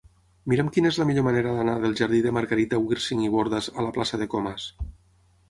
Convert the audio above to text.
Mira'm quina és la millor manera d'anar del jardí de Margarita Wirsing i Bordas a la plaça de Comas.